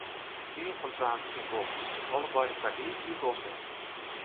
Ien fan twaen kin wol, allebeide tagelyk lykwols net.